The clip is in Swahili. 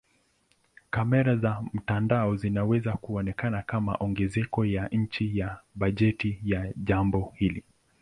Kamera za mtandao zinaweza kuonekana kama ongezeko ya chini ya bajeti ya jambo hili.